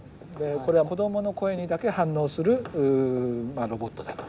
これは子どもの声にだけ反応するロボットだと。